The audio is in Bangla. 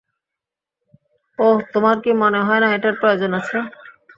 ওহ, তোমার কি মনে হয় না এটার প্রয়োজন আছে?